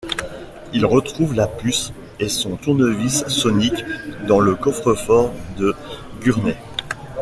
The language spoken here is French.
Il retrouve la puce et son Tournevis sonique dans le coffre-fort de Gurney.